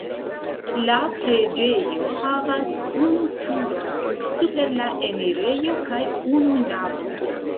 La preĝejo havas unu turon super la enirejo kaj unu navon.